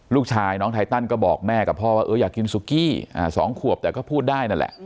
ลูกชายน้องไทตันก็บอกแม่กับพ่อว่าอยากกินสุกี้๒ขวบแต่ก็พูดได้นั่นแหละ